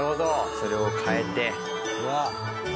それを変えて。